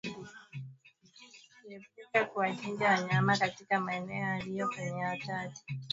Kuepuka kuwachinja wanyama katika maeneo yaliyo kwenye hatari pale mlipuko unapotokea